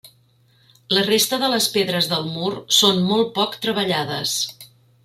La resta de les pedres del mur són molt poc treballades.